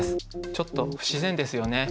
ちょっと不自然ですよね。